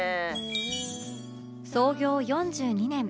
創業４２年